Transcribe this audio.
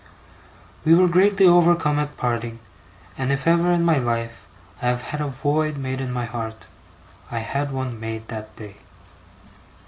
We were greatly overcome at parting; and if ever, in my life, I have had a void made in my heart, I had one made that day.